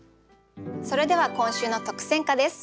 それでは今週の特選歌です。